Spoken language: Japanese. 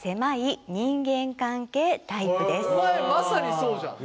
お前まさにそうじゃん。